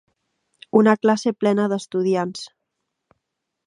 Una classe plena d'estudiants.